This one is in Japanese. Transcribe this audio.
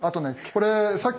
これさっきね